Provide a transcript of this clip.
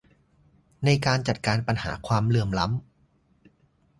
ในการจัดการปัญหาความเหลื่อมล้ำ